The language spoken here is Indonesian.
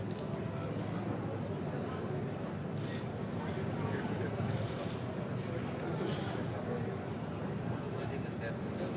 terlihat ada kapolri di sana